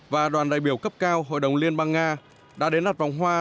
và đoàn đại biểu cấp cao hội đồng liên bang nga đã đến đặt vòng hoa